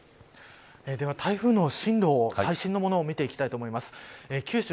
では、台風の進路を最新のものを見ていきたいと思います。